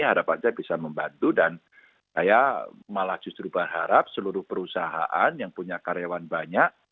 harapannya bisa membantu dan saya malah justru berharap seluruh perusahaan yang punya karyawan banyak